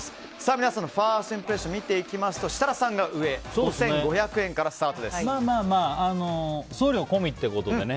皆さんのファーストインプレッション見ていきますと設楽さんが上送料込みってことでね。